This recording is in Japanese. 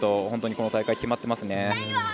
本当にこの大会決まっていますね。